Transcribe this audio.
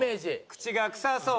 「口が臭そう」